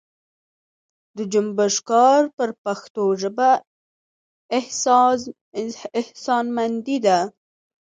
د جنبش کار پر پښتو ژبه احسانمندي ده.